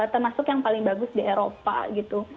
termasuk yang paling bagus di eropa gitu